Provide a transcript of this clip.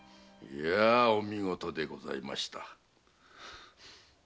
お見事でございました。